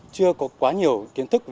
chưa có quá nhiều kiến thức